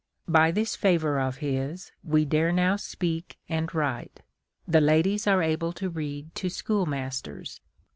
By this favor of his we dare now speak and write. The ladies are able to read to schoolmasters.